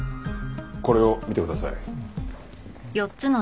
これを見てください。